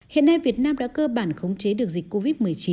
hiện nay việt nam đã cơ bản khống chế được dịch covid một mươi chín